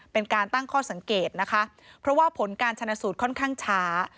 เป็นการตั้งข้อสังเกตนะคะเพราะว่าผลการชนะสูตรค่อนข้างช้า